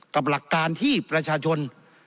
หลักการที่ประชาชน